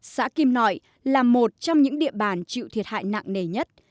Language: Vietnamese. xã kim nội là một trong những địa bàn chịu thiệt hại nặng nề nhất